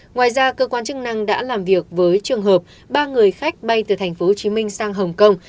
ngoài ra cơ quan chức năng đã làm việc với trường hợp ba người khách bay từ tp hcm sang hồng kông